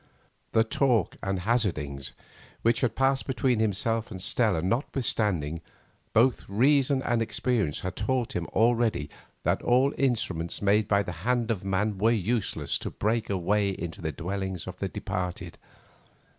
The talk and hazardings which had passed between himself and Stella notwithstanding, both reason and experience had taught him already that all instruments made by the hand of man were useless to break a way into the dwellings of the departed.